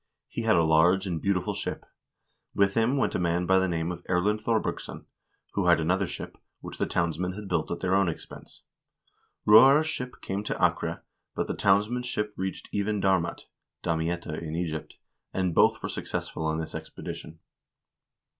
He had a large and beautiful ship. With him went a man by name of Erlend Thorbergsson, who had an other ship, which the townsmen had built at their own expense.2 Roar's ship came to Acre, but the townsmen's ship reached even Darmat (Damietta in Egypt), and both were successful on this expedition."